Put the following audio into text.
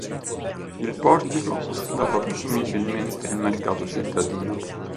Il portico ospitava presumibilmente il mercato cittadino.